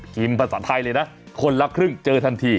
ภาษาไทยเลยนะคนละครึ่งเจอทันที